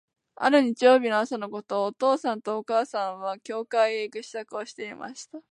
ある日曜日の朝のこと、お父さんとお母さんは、教会へ行く支度をしていました。